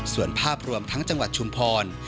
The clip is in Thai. ส่วนภาพรวมทั้งจังหวัดชุมพร